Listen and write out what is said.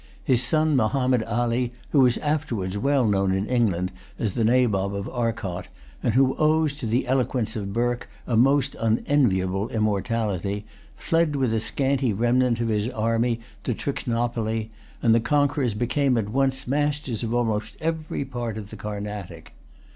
His son, Mahommed Ali, who was afterwards well known in England as the Nabob of Arcot, and who owes to the eloquence of Burke a most unenviable immortality, fled with a scanty remnant of his army to Trichinopoly; and the conquerors became at once masters of almost every part of the Carnatic.